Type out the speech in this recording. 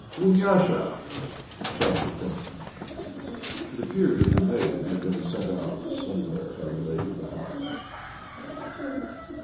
"Dunyasha!" shouted the Frenchman. It appeared that the maid had been sent out somewhere by the lady of the house.